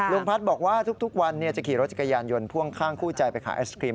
พัฒน์บอกว่าทุกวันจะขี่รถจักรยานยนต์พ่วงข้างคู่ใจไปขายไอศครีม